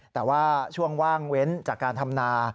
แต่ว่าช่วงว่างเว้นจากการทำนา